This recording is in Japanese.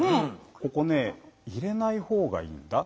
ここね入れない方がいいんだ。